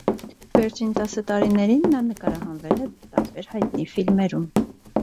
Վերջին տասը տարիներին նա նկարահանվել է տարբեր հայտնի ֆիլմերում։